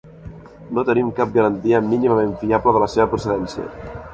No tenim cap garantia mínimament fiable de la seva procedència.